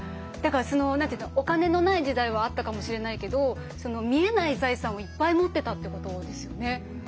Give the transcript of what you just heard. だからその何て言うのお金のない時代はあったかもしれないけど見えない財産をいっぱい持ってたってことですよね。